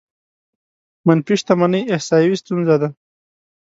منفي شتمنۍ احصايوي ستونزه ده.